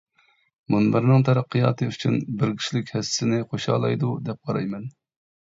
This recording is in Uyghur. مۇنبەرنىڭ تەرەققىياتى ئۈچۈن بىر كىشىلىك ھەسسىسىنى قوشالايدۇ دەپ قارايمەن.